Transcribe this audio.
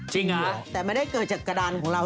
แต่ไม่ได้เกิดจากกระดานของเรา